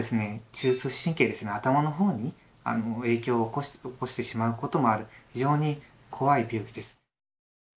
中枢神経ですね頭の方に影響を起こしてしまうこともある非常に怖い病気です。